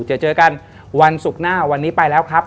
เจอเจอกันวันศุกร์หน้าวันนี้ไปแล้วครับ